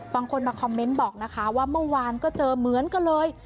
บางคนมาคอมเมนต์บอกนะคะว่าเมื่อวานก็เจอเหมือนกันเลย